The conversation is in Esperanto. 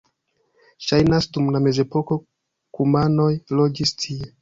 Ŝajnas, dum la mezepoko kumanoj loĝis tie.